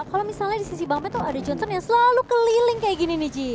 kalau misalnya di sisi bang bad tuh ada johnson yang selalu keliling kayak gini nih ji